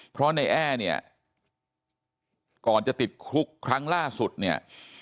เพราะในแอ้เนี่ยก่อนจะติดคุกครั้งล่าสุดเนี่ย